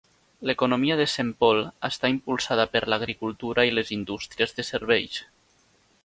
L'economia de Saint Paul està impulsada per l'agricultura i les indústries de serveis.